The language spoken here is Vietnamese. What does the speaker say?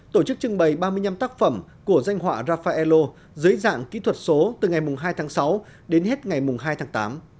tổ chức trưng bày ba mươi năm tác phẩm của danh họa rafaello dưới dạng kỹ thuật số từ ngày hai tháng sáu đến hết ngày hai tháng tám